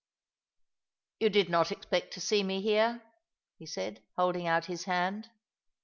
You did not expect to see me here," he said, holding out his hand.